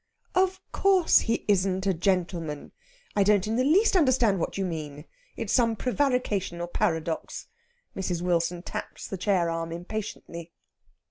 "Of course he isn't a gentleman. I don't the least understand what you mean. It's some prevarication or paradox." Mrs. Wilson taps the chair arm impatiently.